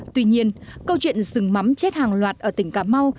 tuy nhiên câu chuyện rừng mắm chết hàng loạt ở tỉnh cà mau